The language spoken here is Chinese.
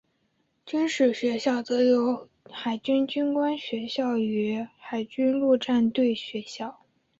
军事学校则有海军军官学校与海军陆战队学校。